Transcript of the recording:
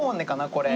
これ。